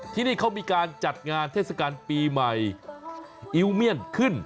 ที่นี่เขามีการจัดงานเทศกาลปีใหม่อิวเมียนขึ้น